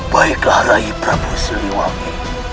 baiklah raih prabu suliwangi